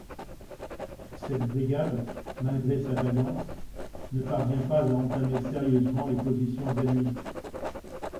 Cette brigade, malgré sa vaillance, ne parvient pas à entamer sérieusement les positions ennemies.